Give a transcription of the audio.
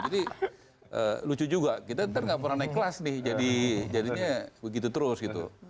jadi lucu juga kita ntar gak pernah naik kelas nih jadinya begitu terus gitu